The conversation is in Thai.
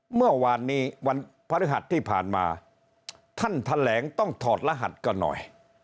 เมื่อวานนี้วันพฤหัสที่ผ่านมาท่านแถลงต้องถอดรหัสกันหน่อย